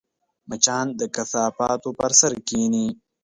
مچان د کثافاتو پر سر کښېني